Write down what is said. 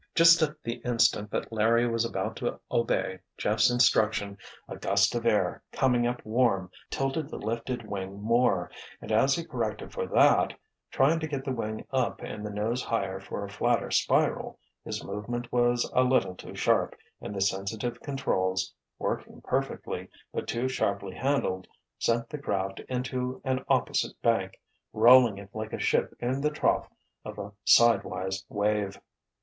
Just at the instant that Larry was about to obey Jeff's instruction a gust of air, coming up warm, tilted the lifted wing more, and as he corrected for that, trying to get the wing up and the nose higher for a flatter spiral, his movement was a little too sharp, and the sensitive controls, working perfectly, but too sharply handled, sent the craft into an opposite bank, rolling it like a ship in the trough of a sidewise wave.